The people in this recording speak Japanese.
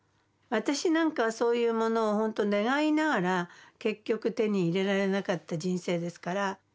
私なんかはそういうものを本当願いながら結局手に入れられなかった人生ですから。